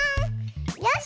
よし！